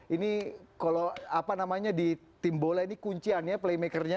ini kalau apa namanya di tim bola ini kunciannya playmakernya